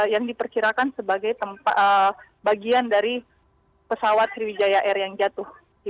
yang diperkirakan sebagai bagian dari pesawat sriwijaya air yang jatuh